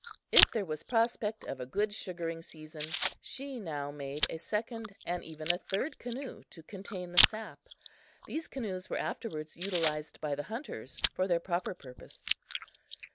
If there was prospect of a good sugaring season, she now made a second and even a third canoe to contain the sap. These canoes were afterward utilized by the hunters for their proper purpose.